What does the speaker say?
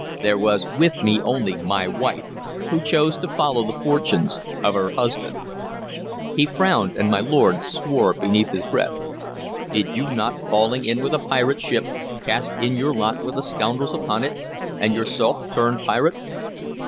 "There was with me only my wife, who chose to follow the fortunes of her husband." He frowned, and my lord swore beneath his breath. "Did you not, falling in with a pirate ship, cast in your lot with the scoundrels upon it, and yourself turn pirate?"